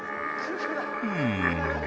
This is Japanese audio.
うん。